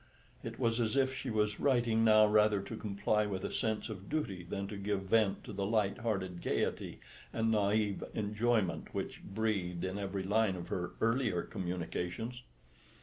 It was as if she was writing now rather to comply with a sense of duty than to give vent to the light hearted gaiety and naïve enjoyment which breathed in every line of her earlier communications.